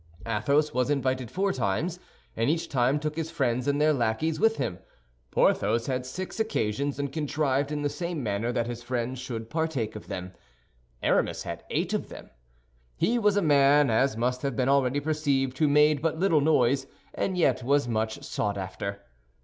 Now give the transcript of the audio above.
Athos was invited four times, and each time took his friends and their lackeys with him. Porthos had six occasions, and contrived in the same manner that his friends should partake of them; Aramis had eight of them. He was a man, as must have been already perceived, who made but little noise, and yet was much sought after.